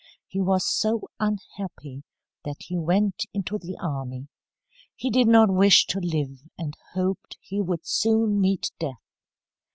He was so unhappy that he went into the army. He did not wish to live, and hoped he would soon meet death.